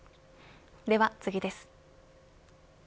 では次です。